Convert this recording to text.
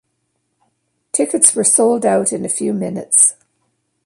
Tickets were sold out in a few minutes.